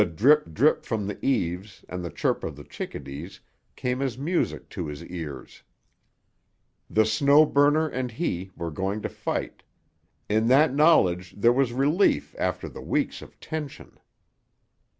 The drip drip from the eaves and the chirp of the chickadees came as music to his ears. The Snow Burner and he were going to fight; in that knowledge there was relief after the weeks of tension.